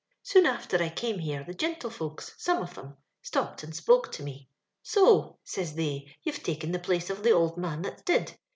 Soon after I came here the gin tlefolks — some of them — stopped and spoke to me. * So,' says th^ ,* you've taken the place of the old man that's did?'